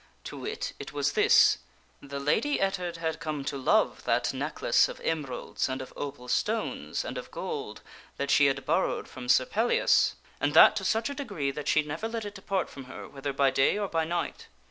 To wit, it was this : The Lady Ettard had come to love that necklace of emeralds and of opal stones and of gold that she had borrowed from Sir Pellias, and that to such a degree that she never let it depart from her whether enchanteth by d a y or by night.